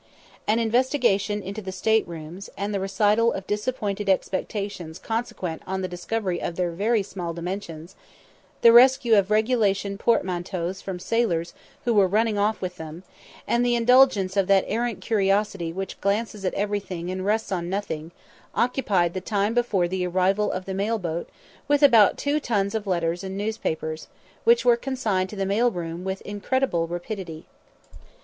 An investigation into the state rooms, and the recital of disappointed expectations consequent on the discovery of their very small dimensions, the rescue of "regulation" portmanteaus from sailors who were running off with them, and the indulgence of that errant curiosity which glances at everything and rests on nothing, occupied the time before the arrival of the mail boat with about two tons of letters and newspapers, which were consigned to the mail room with incredible rapidity.